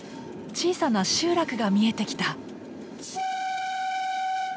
小さな集落が見えてきた。